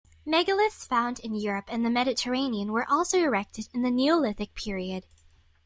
Megaliths found in Europe and the Mediterranean were also erected in the Neolithic period.